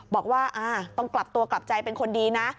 บอกว่าต้องกลับตัวกลับใจเป็นคนดีนะ